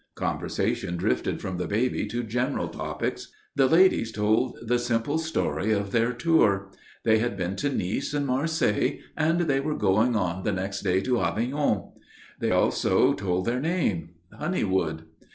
Conversation drifted from the baby to general topics. The ladies told the simple story of their tour. They had been to Nice and Marseilles, and they were going on the next day to Avignon. They also told their name Honeywood.